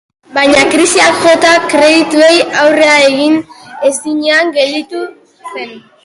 Baina krisiak jota, kredituei aurre egin ezinean gelditu zen.